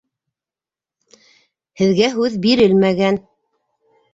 Һеҙгә һүҙ бирелмәгән!